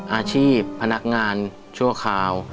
อาชีพพนักงานชั่วคราว